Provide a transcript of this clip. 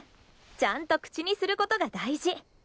ちゃんと口にする事が大事。